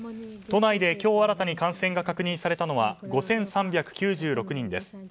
都内で今日新たに感染が確認されたのは５３９６人です。